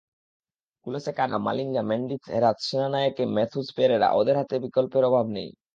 কুলাসেকারা, মালিঙ্গা, মেন্ডিস, হেরাথ, সেনানায়েকে, ম্যাথুস, পেরেরা—ওদের হাতে বিকল্পের অভাব নেই।